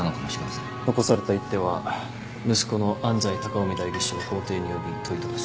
残された一手は息子の安斎高臣代議士を法廷に呼び問いただす。